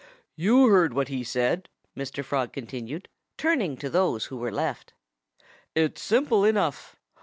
"You heard what he said," Mr. Frog continued, turning to those who were left. "It's simple enough.